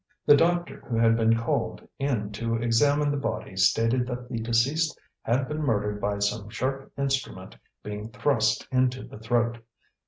The doctor who had been called in to examine the body stated that the deceased had been murdered by some sharp instrument being thrust into the throat.